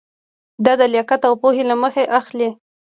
دا د لیاقت او پوهې له مخې اخلي.